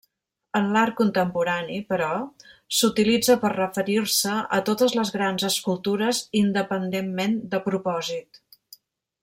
En l'art contemporani, però, s'utilitza per referir-se a totes les grans escultures independentment de propòsit.